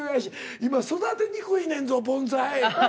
今育てにくいねんぞ盆栽。